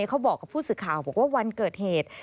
เขาบอกกับผู้สื่อข่าวบอกว่าวันเกิดเหตุ